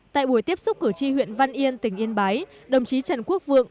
tại buổi tiếp xúc cử tri huyện văn yên tỉnh yên bái đồng chí trần quốc vượng